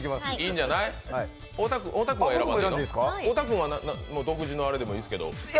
太田君も独自のあれでもいいんですけど。